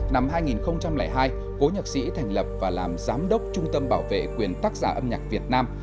năm hai nghìn hai cố nhạc sĩ thành lập và làm giám đốc trung tâm bảo vệ quyền tác giả âm nhạc việt nam